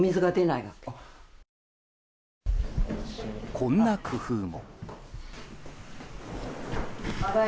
こんな工夫も。